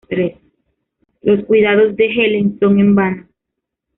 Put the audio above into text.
Los cuidados de Helen son en vano.